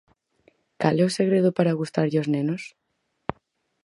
Cal é o segredo para gustarlle aos nenos?